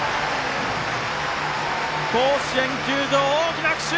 甲子園球場、大きな拍手！